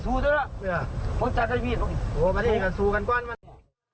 สูงก็สูกน้อยหนึ่ง